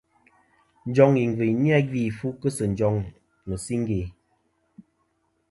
Njoŋ ìngviyn ni-a gvi fu kɨ sɨ njoŋ mɨ̀singe.